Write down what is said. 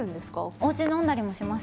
おうちで飲んだりもします。